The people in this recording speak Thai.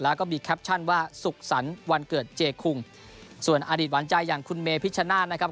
แล้วก็มีแคปชั่นว่าสุขสรรค์วันเกิดเจคุงส่วนอดีตหวานใจอย่างคุณเมพิชชนาธินะครับ